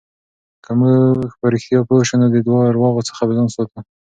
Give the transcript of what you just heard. که موږ په رښتیا پوه شو، نو د درواغو څخه به ځان ساتو.